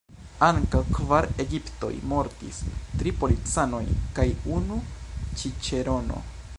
Ankaŭ kvar egiptoj mortis: tri policanoj kaj unu ĉiĉerono.